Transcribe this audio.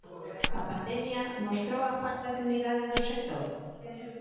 A pandemia mostrou a falta de unidade do sector?